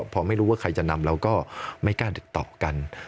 พอไม่รู้ว่าใครจะนำเราก็ไม่กล้าติดต่อกัน